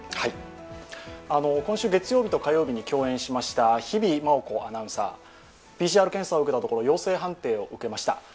今週月曜日と火曜日に共演しました日比麻音子アナウンサー、ＰＣＲ検査を受けたところ、陽性判定を受けました。